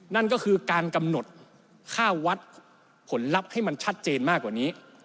นั่นก็คือการกำหนดค่าวัดผลลัพธ์ให้มันชัดเจนมากกว่านี้